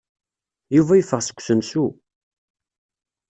Yuba yeffeɣ seg usensu.